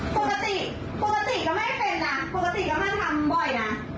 ปกติปกติก็ไม่เป็นนะปกติก็ไม่ทำบ่อยนะ